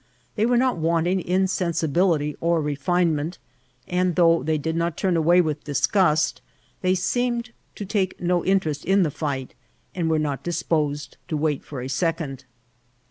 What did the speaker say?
They were not wanting in sensibility or refinement ; and though they did not turn away with disgust, they seemed to take no interest in the fight, and were not disposed to wait for a second.